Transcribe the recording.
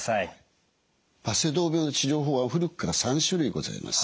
バセドウ病の治療法は古くから３種類ございます。